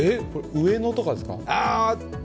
上野とかですか？